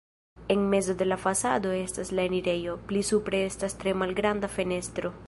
En mezo de la fasado estas la enirejo, pli supre estas tre malgranda fenestro.